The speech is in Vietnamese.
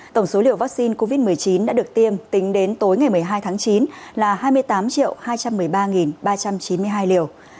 tổng số liều vaccine covid một mươi chín đã được tiêm tính đến tối ngày một mươi hai tháng chín là hai mươi tám hai trăm một mươi ba ba trăm chín mươi hai liều